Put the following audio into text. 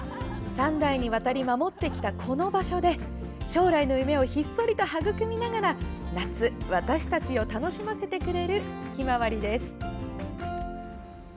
３代にわたり守ってきたこの場所で将来の夢をひっそりと育みながら夏、私たちを楽しませてくれるひまわりです。